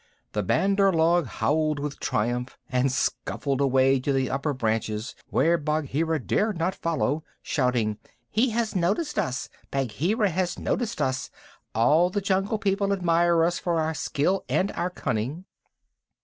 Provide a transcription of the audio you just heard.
The Bandar log howled with triumph and scuffled away to the upper branches where Bagheera dared not follow, shouting: "He has noticed us! Bagheera has noticed us. All the Jungle People admire us for our skill and our cunning."